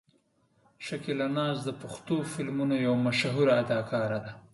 شکیلا ناز د پښتو فلمونو یوه مشهوره اداکاره ده.